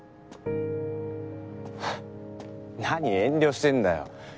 何遠慮してんだよ。